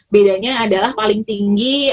bedanya adalah paling tinggi